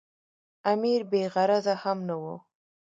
امیر بې غرضه هم نه وو.